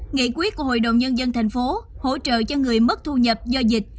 nghị quyết của hội đồng nhân dân thành phố hỗ trợ cho người mất thu nhập do dịch